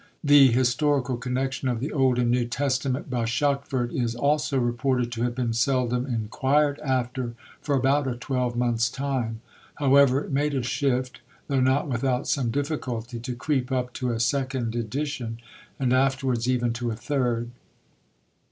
'The Historical Connection of the Old and New Testament,' by Shuckford, is also reported to have been seldom inquired after for about a twelvemonth's time; however, it made a shift, though not without some difficulty, to creep up to a second edition, and afterwards even to a third.